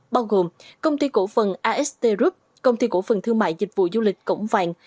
bao gồm công ty cổ phần ast group công ty cổ phần thương mại dịch vụ du lịch cổng vàng